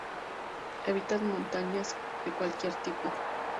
Evita montañas de cualquier tipo.